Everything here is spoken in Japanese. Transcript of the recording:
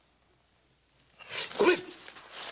ごめん！